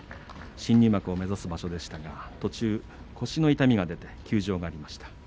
新入幕を目指す場所でしたが途中、腰の痛みが出て休場しました。